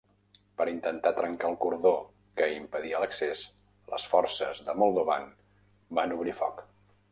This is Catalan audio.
Per intentar trencar el cordó que impedia l'accés, les forces de Moldovan van obrir foc.